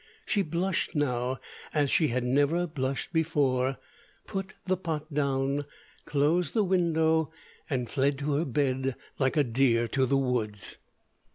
She blushed now as she had never blushed before, put the pot down, closed the window, and fled to her bed like a deer to the woods.